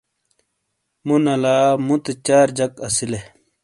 مو نلا موتے چار جک اسی لے۔